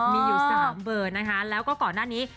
มีอยู่๓เบอร์นะคะแล้วก็ก่อนหน้านี้